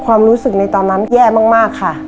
ความรู้สึกในตอนนั้นแย่มากค่ะ